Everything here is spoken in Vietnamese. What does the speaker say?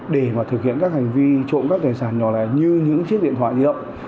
để mà thực hiện các hành vi trộm các tài sản nhỏ lẻ như những chiếc điện thoại di động